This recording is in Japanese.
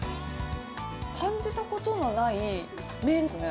感じたことのない麺ですね。